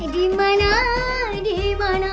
dimana bos dimana